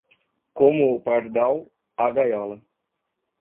Como o pardal, a gaiola.